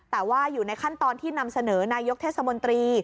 แต่ว่าอยู่ในขั้นตอนที่นำเสนอนายกเทศมนตรี